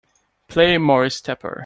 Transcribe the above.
Play Moris Tepper